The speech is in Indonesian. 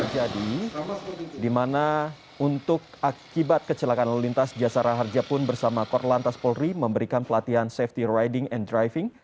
jadi di mana untuk akibat kecelakaan lalu lintas jasara harjah pun bersama kor lantas polri memberikan pelatihan safety riding and driving